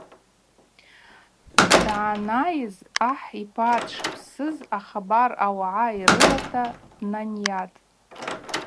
Дъанайыз ахӏ йпа дшпсыз ахабар ауагӏа йрылата днанйатӏ.